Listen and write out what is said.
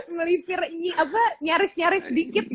melipir nyaris nyaris dikit gitu ya